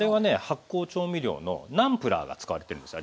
発酵調味料のナンプラーが使われてるんです。